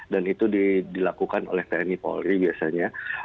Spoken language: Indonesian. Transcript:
dan itu dilakukan oleh tni polri biasanya